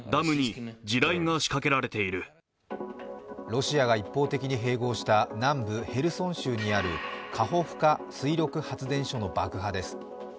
ロシアが一方的に併合した南部ヘルソン州にあるカホフカ水力発電所の爆破です。